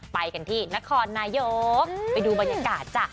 ไปกันที่นครนายกไปดูบรรยากาศจ้ะ